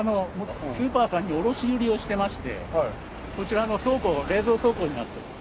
スーパーさんに卸売りをしてましてこちらの倉庫冷蔵倉庫になっております。